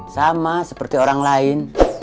sama seperti orang lain